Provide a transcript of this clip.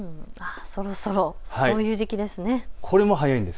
そろそろそういう時期です。